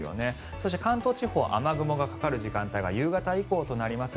そして関東地方雨雲がかかる時間帯は夕方以降となります。